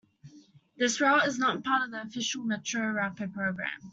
This route is not part of the official Metro Rapid program.